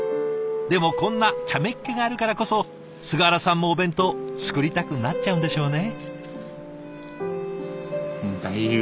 でもこんなちゃめっ気があるからこそ菅原さんもお弁当作りたくなっちゃうんでしょうね。